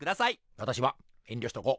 わたしは遠慮しとこう。